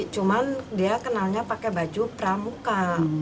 cuman dia kenalnya pakai baju pramuka